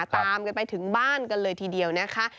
ตามกันไปถึงบ้านกันเลยทีเดียวนะคะ